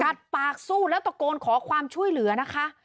ปากสู้แล้วตะโกนขอความช่วยเหลือนะคะ